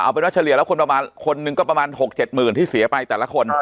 เอาเป็นว่าเฉลี่ยแล้วคนนึงก็ประมาณ๖๗๐๐๐๐ที่เสียไปแต่ละคน